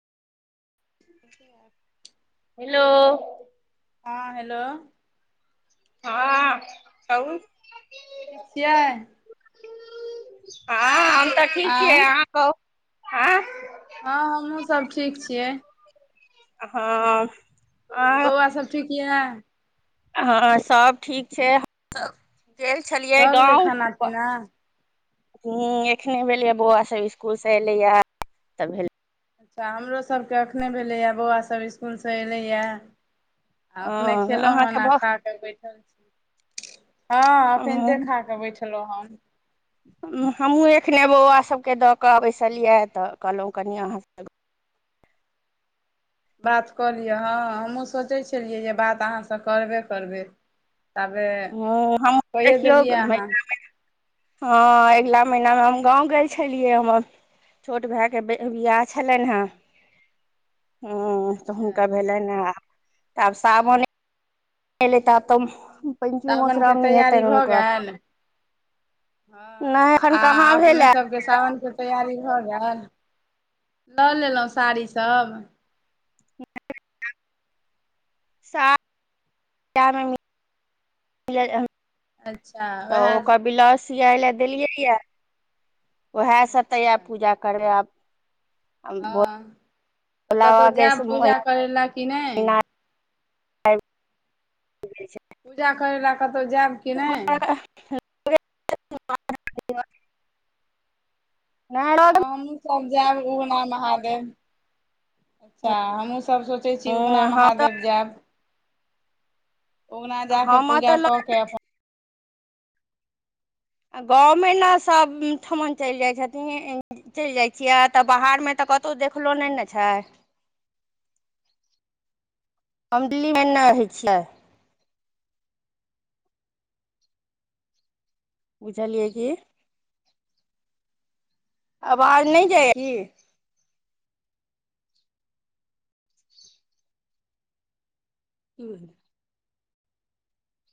hello हँ hello हँ कहु ठीक छियै हँ हम तऽ ठीक छियै आँय अहाँ कहू आंय हँ हमहूँ सब ठीक छियै हं बौआ सब ठीक या हँ सब ठीक छै हम गेल छलियै भऽ गेलै खाना गाँव पीना हूं एखने भेलैया बौआ सब स्कूल से एलेया तऽ भेल अच्छा हमरो सभ के एखने भेलैया बौआ सभ इस्कुल सँ एलैया आ अपने खेलौं हन आ अहाँके भ खा कऽ बैठल छी हँ अखैनते खाऽ कऽ बैठलौं हन हमहूँ एखने बौआ सभके दऽ कऽ बैसलियै तऽ कहलो कनि अहाँ सब बात कऽ लिअ हँ हमहूँ सोचै छलियै जे बात अहाँसँ करबे करबै ताबे हं हम कइए देखियौ देलियै म अहाँ [unintelligible] हँ अगिला महिना मे हम गांव गेल छलियै हमर छोट भाय के बियाह छलनि हें अच्छा हूं तऽ अच्छा हुनका भेलनि ह आब सावने एलै त तम सावन के तैयारी भऽ गेल हँ नहि एखन आ कहाँ अपने भेलए सबके सावन के तैयारी भऽ गेल लऽ लेलौं साड़ी सब स [unintelligible] अच्छा उएह तऽ ओकर ब्लाउज सियाए ले देलियै या उएह सब तऽ अच्छा य पूजा करेब आ हँ तऽ भोला कतौ बाबाके जेब पूजा महिना करय लए कि नय आ [unintelligible] पूजा करैलए कतौ जायब कि ब नहि [unintelligible] [unintelligible] न हमूँ सब जायब उगना महादेव अच्छा हमहूँ सभ सोचै छी उगना हम तऽ महादेव जायब उगना जा कऽ हम पूजा तऽ कऽ केऽ अपन आ गाँव मे ने सभ ठमन चलि जाइ छथिन चलि जाइ छियै तऽ बाहर मे तऽ कतौ देखलो नय ने छै [inaudible] हम डिलिमे नय रहै छियै बुझलियै की आवाज नय जाइया कि हु